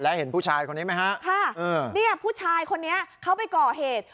แล้วเห็นผู้ชายคนนี้ไหมฮะค่ะเนี่ยผู้ชายคนนี้เขาไปก่อเหตุ